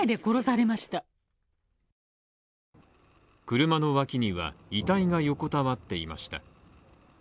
車の脇には遺体が横たわっていました。